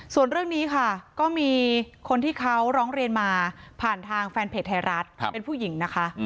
ส่วนเรื่องนี้ค่ะก็มีคนที่เขาร้องเรียนมาผ่านทางแฟนเพจไทยรัฐเป็นผู้หญิงนะคะ